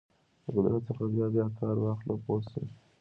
د قدرت څخه بیا بیا کار واخله پوه شوې!.